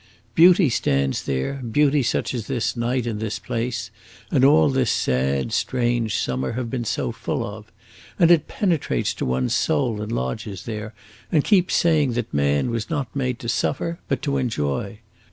Beauty stands there beauty such as this night and this place, and all this sad, strange summer, have been so full of and it penetrates to one's soul and lodges there, and keeps saying that man was not made to suffer, but to enjoy.